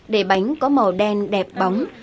để bánh có màu đen đẹp bóng